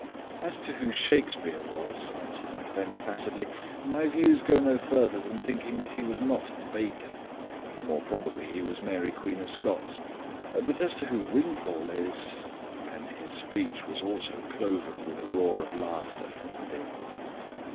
"As to who Shakespeare was," answered my friend placidly, "my views go no further than thinking that he was not Bacon. More probably he was Mary Queen of Scots. But as to who Wimpole is " and his speech also was cloven with a roar of laughter from within.